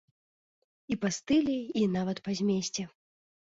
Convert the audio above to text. І па стылі і нават па змесце.